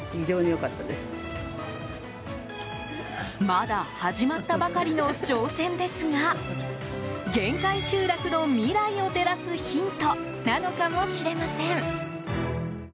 まだ始まったばかりの挑戦ですが限界集落の未来を照らすヒントなのかもしれません。